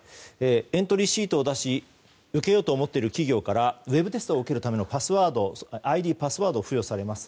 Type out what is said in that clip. エントリーシートを出し受けようと思っている企業からウェブテストを受けるためのＩＤ、パスワードを付与されます。